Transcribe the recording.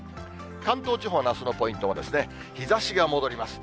関東地方のあすのポイントは、日ざしが戻ります。